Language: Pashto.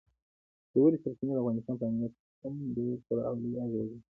ژورې سرچینې د افغانستان په امنیت هم ډېر پوره او لوی اغېز لري.